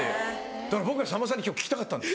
だから僕はさんまさんに今日聞きたかったんです。